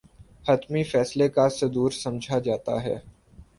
حتمی فیصلے کا صدور سمجھا جاتا ہے